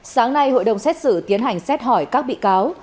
sáng nay hội đồng xét xử tiến hành xét hỏi các bị cáo